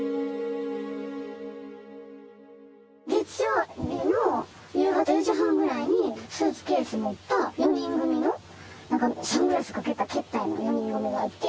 月曜日の夕方４時半ぐらいに、スーツケース持った４人組の、なんかサングラスかけたけったいな４人組がおって。